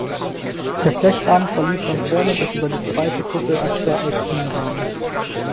Der Blechrahmen verlief von vorne bis über die zweite Kuppelachse als Innenrahmen.